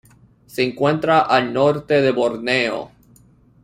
Se encuentra al norte de Borneo.